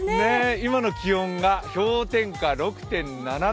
今の気温が氷点下６．７度。